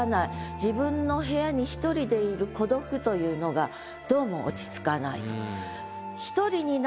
自分の部屋に１人でいる孤独というのがどうも落ち着かないと。